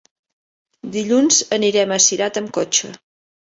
Dilluns anirem a Cirat amb cotxe.